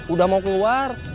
udah mau keluar